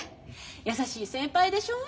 優しい先輩でしょう？